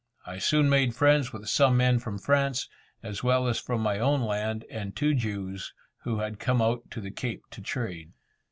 I soon made friends with some men from France, as well as from my own land, and two Jews, who had come out to the Cape to trade.